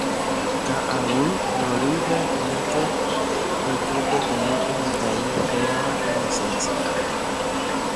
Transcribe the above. Ka'aguy Rorýpe niko oiko peteĩ kuñataĩ hérava Inocencia.